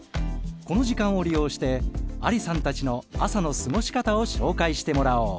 この時間を利用してアリさんたちの朝の過ごし方を紹介してもらおう。